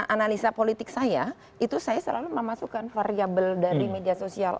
analisa politik saya itu saya selalu memasukkan variable dari media sosial